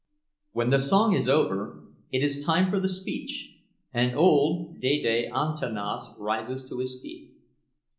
When the song is over, it is time for the speech, and old Dede Antanas rises to his feet.